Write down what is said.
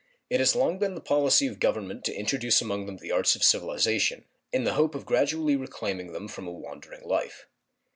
It has long been the policy of Government to introduce among them the arts of civilization, in the hope of gradually reclaiming them from a wandering life.